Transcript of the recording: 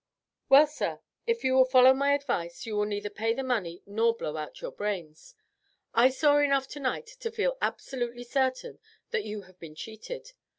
"Well, sir, if you will follow my advice you will neither pay the money nor blow out your brains. I saw enough tonight to feel absolutely certain that you have been cheated.